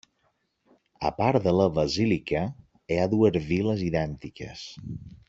A part de la basílica hi ha dues viles idèntiques.